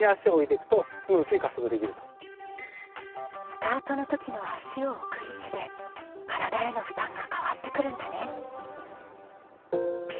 スタートの時の足を置く位置で体への負担が変わってくるんだね。